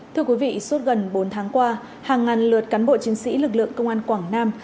thưa quý vị suốt gần bốn tháng qua hàng ngàn lượt cán bộ chiến sĩ lực lượng công an quảng nam